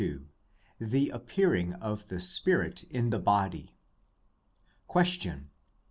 LII THE APPEARING OF THE SPIRIT IN THE BODY Question.